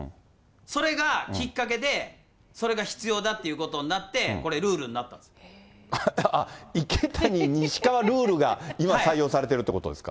それがきっかけでそれが必要だっていうことになって、池谷、西川ルールが今、採用されてるってことですか？